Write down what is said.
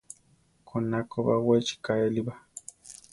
Koná ko baʼwechi kaéli ba.